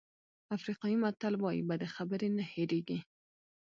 افریقایي متل وایي بدې خبرې نه هېرېږي.